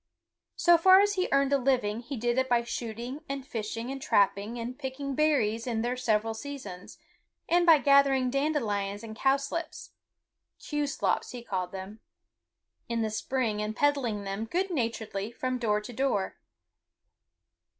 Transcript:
So far as he earned a living he did it by shooting and fishing and trapping and picking berries in their several seasons, and by gathering dandelions and cowslips (kew slops he called them) in the spring and peddling them good naturedly from door to door.